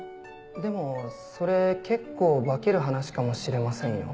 でもそれ結構化ける話かもしれませんよ？